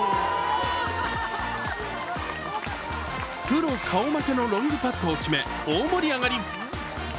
プロ顔負けのロングパットを決め大盛り上がり。